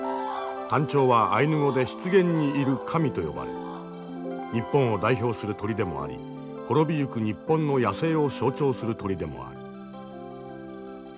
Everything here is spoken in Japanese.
タンチョウはアイヌ語で「湿原にいる神」と呼ばれ日本を代表する鳥でもあり滅びゆく日本の野生を象徴する鳥でもある。